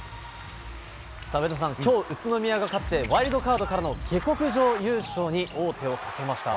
上田さん、きょう、宇都宮が勝って、ワイルドカードからの下剋上優勝に王手をかけました。